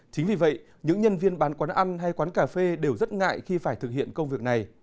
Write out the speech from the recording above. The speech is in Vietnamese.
chính vì vậy những nhân viên bán quán ăn hay quán cà phê đều rất ngại khi phải thực hiện công việc này